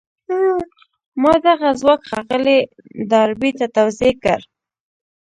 ما دغه ځواک ښاغلي ډاربي ته توضيح کړ.